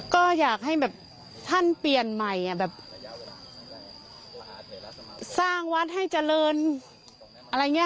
ก็อยากให้แบบท่านเปลี่ยนใหม่แบบสร้างวัดให้เจริญอะไรอย่างนี้